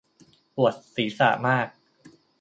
ปวดศีรษะมาก